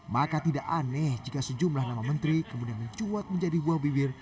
maka tidak aneh jika sejumlah nama menteri kemudian mencuat menjadi buah bibir